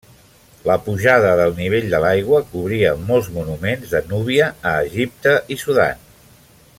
La pujada del nivell de l'aigua cobria molts monuments de Núbia a Egipte i Sudan.